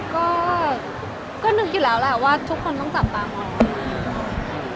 ก็นึกอยู่แล้วแหละว่าทุกคนต้องจับตามอง